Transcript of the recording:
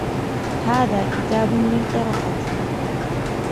هذا كتاب للقراءة.